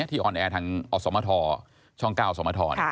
ออนแอร์ทางอสมทช่อง๙สมทร